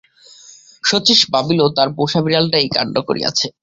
শচীশ ভাবিল তার পোষা বিড়ালটা এই কাণ্ড করিয়াছে।